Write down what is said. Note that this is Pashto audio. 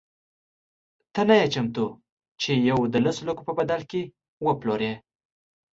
ته نه یې چمتو چې یوه د لسو لکو په بدل کې وپلورې.